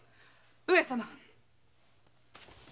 ・上様。